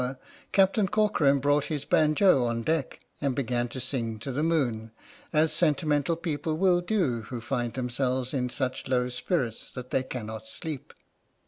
"PINAFORE" Captain Corcoran brought his banjo on deck and began to sing to the moon, as sentimental people will do who find themselves in such low spirits that they cannot sleep.